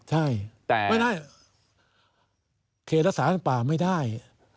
ใช่ไม่ได้เขตรักษาเป็นป่าไม่ได้